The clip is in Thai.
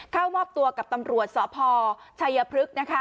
เข้ามอบตัวกับตำรวจสพชัยพฤกษ์นะคะ